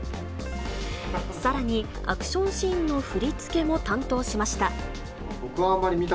さらにアクションシーンの振り付けも担当しました。